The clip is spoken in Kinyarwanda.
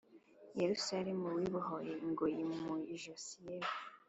Yerusalemu wibohore ingoyi mu ijosi yewe